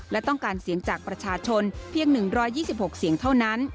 และต้องการเสียงจากประชาชนเพียง๑๒๖เสียงเท่านั้น